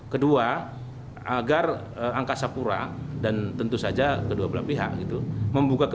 kedua agar angkasa pura dan tentu saja kedua belah pihak gitu